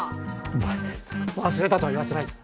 お前忘れたとは言わせないぞ。